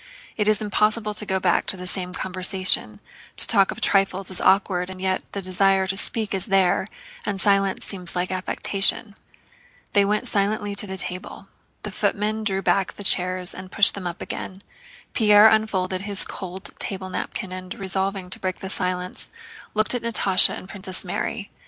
It is impossible to go back to the same conversation, to talk of trifles is awkward, and yet the desire to speak is there and silence seems like affectation. They went silently to table. The footmen drew back the chairs and pushed them up again. Pierre unfolded his cold table napkin and, resolving to break the silence, looked at Natásha and at Princess Mary.